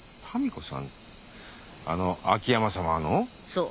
そう。